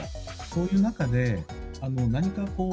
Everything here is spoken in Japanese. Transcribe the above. そういう中で、何かこう、